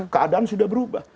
keadaan sudah berubah